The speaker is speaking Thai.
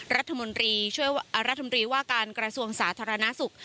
รัฐตรรมนรีรัฐบริวากันกระทรวงสาธารณสุข